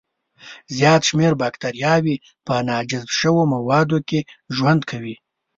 زیات شمېر بکتریاوي په ناجذب شوو موادو کې ژوند کوي.